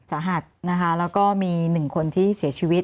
สาหัสนะคะแล้วก็มีหนึ่งคนที่เสียชีวิต